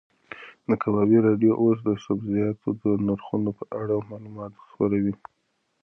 د کبابي راډیو اوس د سبزیجاتو د نرخونو په اړه معلومات خپروي.